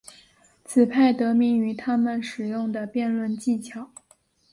此派得名于他们使用的辩论技巧。